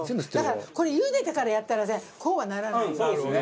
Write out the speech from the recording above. だからこれ茹でてからやったらさこうはならないのよね。